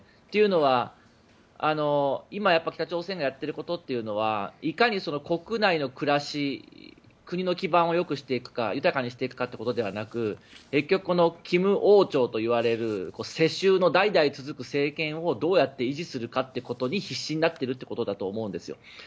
というのは、今北朝鮮がやってることというのはいかに国内の暮らし国の基盤をよくしていくか豊かにしていくかということではなく金王朝といわれる世襲の代々続く政権をどうやって維持するかってことに必死になっているということだと思うんですよ。